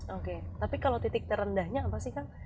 oke tapi kalau titik terendahnya apa sih kang